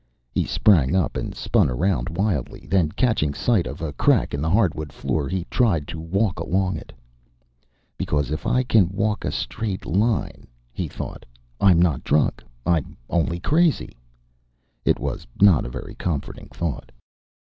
He sprang up and spun around wildly; then catching sight of a crack in the hardwood floor he tried to walk along it. "Because if I can walk a straight line," he thought, "I'm not drunk. I'm only crazy...." It was not a very comforting thought.